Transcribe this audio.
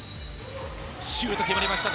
シュート決まりました。